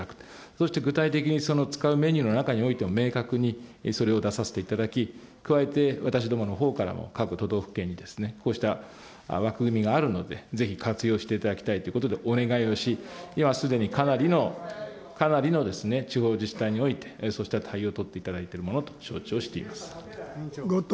そして具体的にその使うメニューの中にも、明確にそれを出させていただき、加えて私どものほうからも各都道府県に、こうした枠組みがあるので、ぜひ活用していただきたいということでお願いをし、今すでにかなりの、かなりの地方自治体において、そうした対応を取っていただいているものと承知をしております。